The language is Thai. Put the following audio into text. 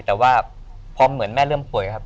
แต่ว่าพอเหมือนแม่เริ่มป่วยครับ